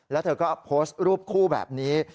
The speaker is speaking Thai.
แล้วเธอก็โพสต์รูปคู่แบบนี้